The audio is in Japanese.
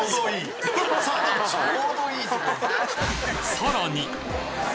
さらに！